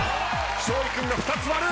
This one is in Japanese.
勝利君が２つ割る！